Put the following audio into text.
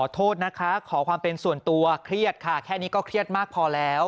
โทษนะคะขอความเป็นส่วนตัวเครียดค่ะแค่นี้ก็เครียดมากพอแล้ว